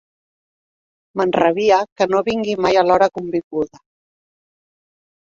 M'enrabia que no vingui mai a l'hora convinguda.